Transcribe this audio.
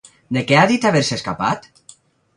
De què ha dit haver-se escapat?